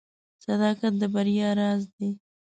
• صداقت د بریا راز دی.